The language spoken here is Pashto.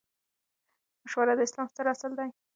مشوره د اسلام ستر اصل دئ.